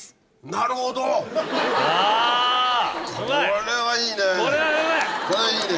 これいいね。